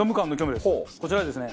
こちらはですね